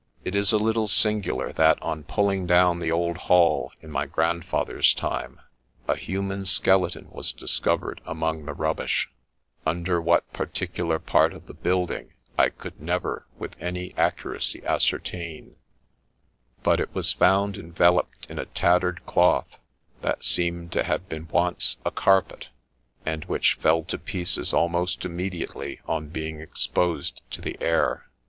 THE LEECH OF FOLKESTONE 89 It is a little singular that, on pulling down the old Hall in my grandfather's time, a human skeleton was discovered among the rubbish ; under what particular part of the building I could never with any accuracy ascertain ; but it was found enveloped in a tattered cloth, that seemed to have been once a carpet, and which fell to pieces almost immediately on being exposed to the air.